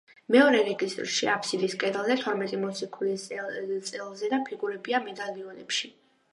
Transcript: მეორე რეგისტრში, აფსიდის კედელზე თორმეტი მოციქულის წელზედა ფიგურებია მედალიონებში.